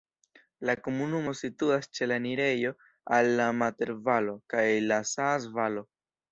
La komunumo situas ĉe la enirejo al la Mater-Valo kaj la Saas-Valo.